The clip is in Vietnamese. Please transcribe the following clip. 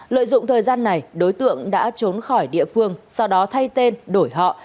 lợi dụng thời gian này đối tượng đã trốn khỏi địa phương sau đó thay tên đổi họ